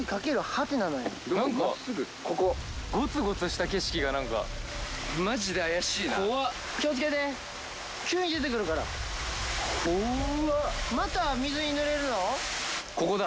ここゴツゴツした景色が何か怖っ気をつけて急に出てくるから怖っまた水に濡れるの？